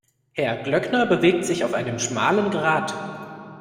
Herr Glöckner bewegt sich auf einem schmalen Grat.